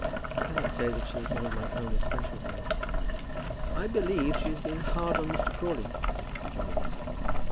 I cannot say that she is one of my own especial friends." "I believe she has been hard to Mr. Crawley," said John Eames.